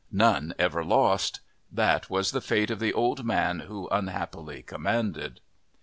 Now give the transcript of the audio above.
None ever lost. That was the fate of the old man who unhappily commanded.